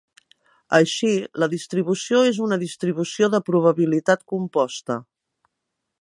Així, la distribució és una distribució de probabilitat composta.